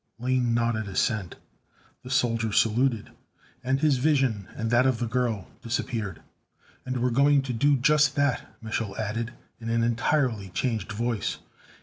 Lane nodded assent. The soldier saluted, and his vision and that of the girl disappeared. "And we're going to do just that!" Mich'l added in an entirely changed voice.